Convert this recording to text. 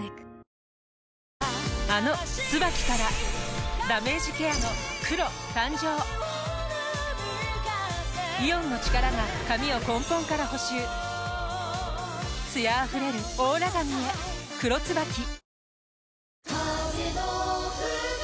あの「ＴＳＵＢＡＫＩ」からダメージケアの黒誕生イオンの力が髪を根本から補修艶あふれるオーラ髪へ「黒ＴＳＵＢＡＫＩ」